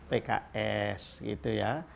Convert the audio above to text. pks gitu ya